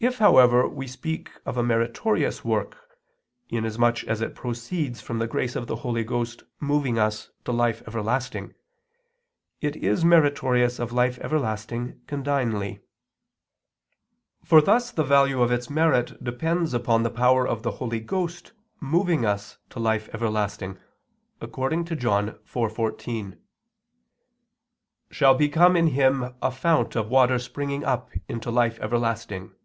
If, however, we speak of a meritorious work, inasmuch as it proceeds from the grace of the Holy Ghost moving us to life everlasting, it is meritorious of life everlasting condignly. For thus the value of its merit depends upon the power of the Holy Ghost moving us to life everlasting according to John 4:14: "Shall become in him a fount of water springing up into life everlasting."